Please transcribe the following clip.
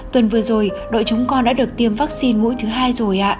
tuần vừa rồi đội chúng con đã được tiêm vaccine mỗi tuần cảm ơn các bạn đã theo dõi và ủng hộ cho